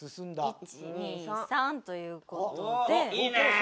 １２３という事で。